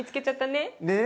ねえ。